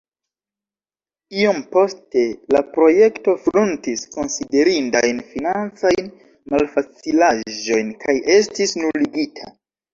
Iom poste la projekto frontis konsiderindajn financajn malfacilaĵojn kaj estis nuligita.